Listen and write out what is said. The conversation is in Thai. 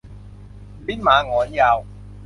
ลิ้นหมาหงอนยาว